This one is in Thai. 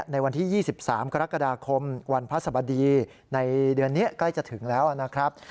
ในวันที่๒๓กรกฎาคมวันพระสบดีในเดือนนี้ใกล้จะถึงแล้วนะครับ